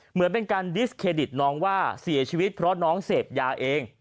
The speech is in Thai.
เหมือนเป็นการดิสเครดิตน้องว่าเสียชีวิตเพราะน้องเสพยาเอง